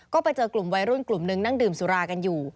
ก็ไปเจอกลุ่มวัยรุ่นกลุ่มนึงนั่งดื่มสุรากันอยู่